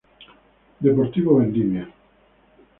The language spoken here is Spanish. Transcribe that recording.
Deportivo Vendimia.